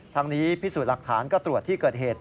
ทางนี้พิสูจน์หลักฐานก็ตรวจที่เกิดเหตุ